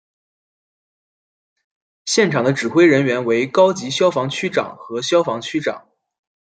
现场的指挥人员为高级消防区长和消防区长。